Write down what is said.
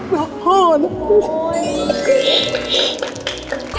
พอนะครับ